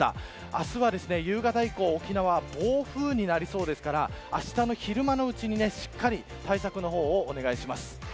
明日は夕方以降沖縄、暴風になりそうですからあしたの昼間のうちにしっかり対策をお願いします。